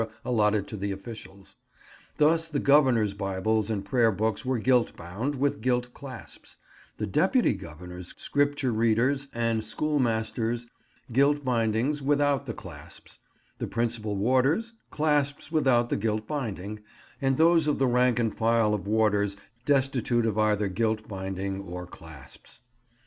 allotted to the officials. Thus, the Governor's Bibles and prayer books were gilt bound, with gilt clasps; the deputy Governor's, Scripture reader's, and schoolmaster's, gilt bindings without the clasps; the principal warders', clasps without the gilt binding; and those of the rank and file of warders destitute of either gilt binding or clasps.